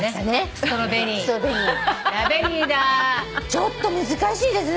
ちょっと難しいですね。